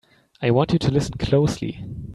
I want you to listen closely!